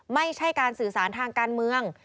ไม่ใช่การสื่อสารทางการเมือง